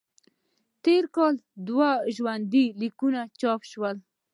همدا تېر کال دوه ژوند لیکونه چاپ شول.